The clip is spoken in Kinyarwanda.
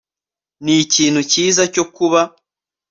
ni ikintu cyiza cyo kuba